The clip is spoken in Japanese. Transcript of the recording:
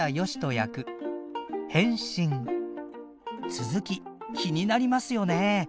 続き気になりますよね。